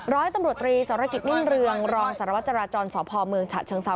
ร้อยตำรวจตรีสรกิจนิ่มเรืองรองสารวัตจราจรสพเมืองฉะเชิงเซา